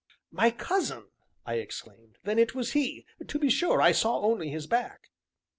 "My cousin!" I exclaimed; "then it was he to be sure I saw only his back."